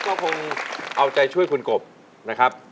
ก็คงเอาใจช่วยคุณกบนะครับ